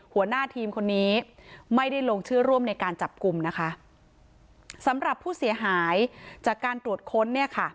หัวหน้าทีมคนนี้ไม่ได้ลงชื่อร่วมในการจับกลุ่มนะคะสำหรับผู้เสียหายจากการตรวจค้นเนี่ยค่ะ